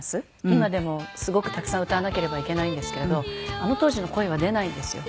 今でもすごくたくさん歌わなければいけないんですけれどあの当時の声は出ないんですよ。